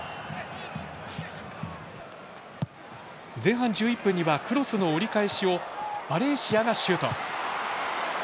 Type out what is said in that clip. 前半１１分にはクロスの折り返しをバレンシアがシュート！